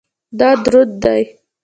دا دروند دی